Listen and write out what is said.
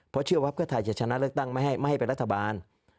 เพราะเชื่อว่าเพื่อไทยจะชนะเลือกตั้งไม่ให้เป็นรัฐบาล